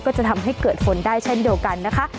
ก็จะทำให้เกิดฝนได้เช่นเดียวกันนะคะ